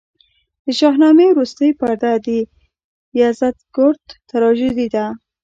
د شاهنامې وروستۍ پرده د یزدګُرد تراژیدي ده.